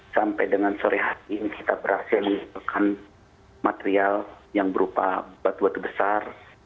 sampai dengan sore hati kita berhasil menggunakan material yang berupa batu batu besar